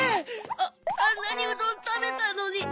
⁉あんなにうどんたべたのに。